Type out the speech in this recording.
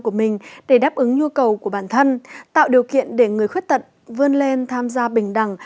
của mình để đáp ứng nhu cầu của bản thân tạo điều kiện để người khuyết tật vươn lên tham gia bình đẳng